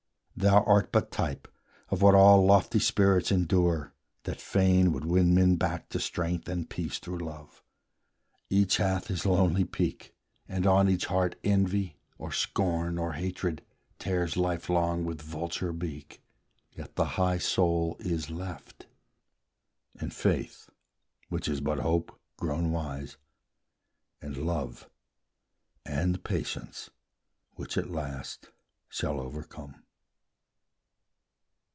thou art but type Of what all lofty spirits endure, that fain Would win men back to strength and peace through love: Each hath his lonely peak, and on each heart Envy, or scorn, or hatred, tears lifelong With vulture beak; yet the high soul is left; And faith, which is but hope grown wise; and love And patience, which at last shall overcome.